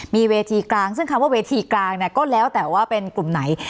มีเวทีกลางซึ่งคำว่าเวทีกลางเนี่ยก็แล้วแต่ว่าเป็นกลุ่มไหน